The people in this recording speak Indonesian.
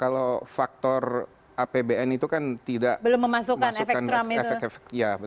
kalau faktor apbn itu kan belum memasukkan efek trump